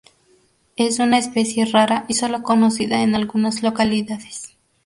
Es una especie rara y solo conocida en algunas localidades.